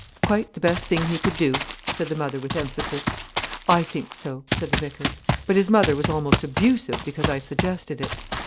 "Quite the best thing he could do," said the mother with emphasis. "I think so," said the vicar. "But his mother was almost abusive because I suggested it."